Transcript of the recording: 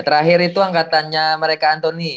terakhir itu angkatannya mereka antoni